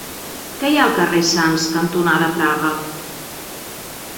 Què hi ha al carrer Sants cantonada Praga?